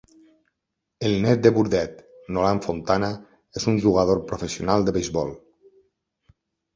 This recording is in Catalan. El nét de Burdette, Nolan Fontana, és un jugador professional de beisbol.